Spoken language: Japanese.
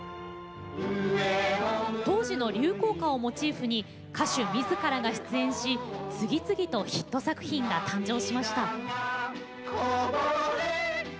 当時の流行歌をモチーフに歌手みずからが出演し次々とヒット作品が誕生しました。